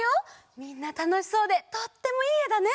みんなたのしそうでとってもいいえだね。